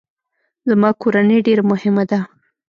زما کورنۍ ډیره مهمه ده